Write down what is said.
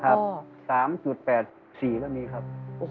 ครับ๓๘๔ก็มีครับ